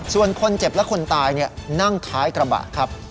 ส่วนคนเจ็บและคนตายนั่งท้ายกระบะครับ